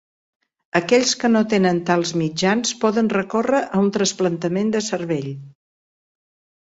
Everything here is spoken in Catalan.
Aquells que no tenen tals mitjans poden recórrer a un trasplantament de cervell.